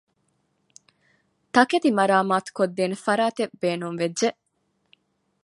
ތަކެތި މަރާމާތުކޮށްދޭނެ ފަރާތެއް ބޭނުންވެއްޖެ